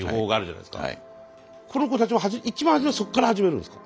この子たちも一番初めはそっから始めるんですか。